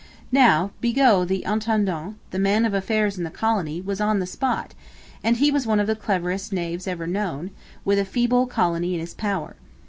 Now, Bigot the intendant, the man of affairs in the colony, was on the spot; and he was one of the cleverest knaves ever known, with a feeble colony in his power.